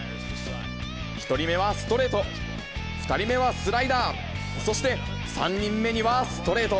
１人目はストレート、２人目はスライダー、そして３人目にはストレート。